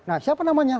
nah siapa namanya